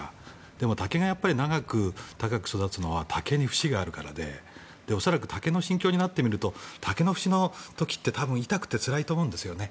でも、竹が長く育つのは竹に節があるからで恐らく竹の心境になってみると竹の節の時って多分痛くてつらいと思うんですね。